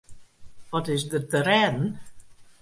Wat is der te rêden?